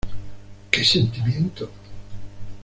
Que Sentimiento!